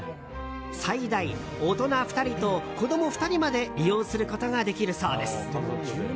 最大、大人２人と子供２人まで利用することができるそうです。